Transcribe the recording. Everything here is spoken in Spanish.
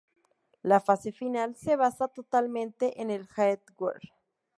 La fase final se basa totalmente en el hardware.